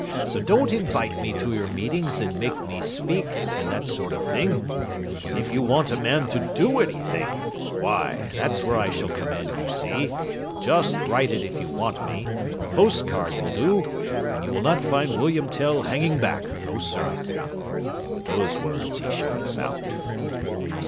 So don't invite me to your meetings and make me speak, and that sort of thing; but if you want a man to do anything why, that's where I shall come in, you see. Just write if you want me a postcard will do and you will not find William Tell hanging back. No, sir.' And with those words he showed us out."